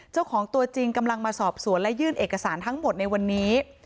เจ้าของตัวจริงกำลังมาสอบสวนและยื่นเอกสารทั้งหมดในวันนี้